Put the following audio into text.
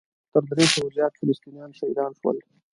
تر درې سوو زیات فلسطینیان شهیدان شول.